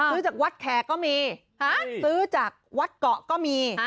ซื้อจากวัดแขกก็มีซื้อจากวัดเกาะก็มี